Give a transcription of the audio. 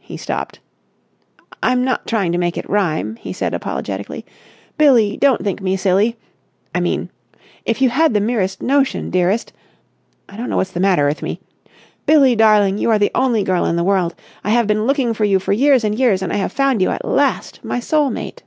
He stopped. "I'm not trying to make it rhyme," he said apologetically. "Billie, don't think me silly ... I mean ... if you had the merest notion, dearest ... I don't know what's the matter with me ... Billie, darling, you are the only girl in the world! I have been looking for you for years and years and I have found you at last, my soul mate.